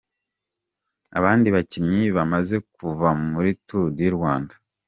Abandi bakinnyi bamaze kuva muri Tour du Rwanda.